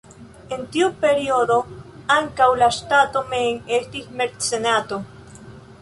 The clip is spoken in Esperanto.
En tiu periodo ankaŭ la ŝtato mem estis mecenato.